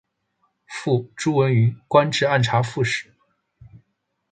父朱文云官至按察副使。